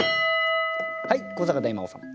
はい古坂大魔王さん。